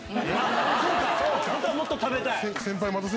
本当はもっと食べたい？